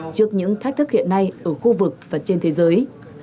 trước những thách thức hiện nay ở khu vực và trên thế giới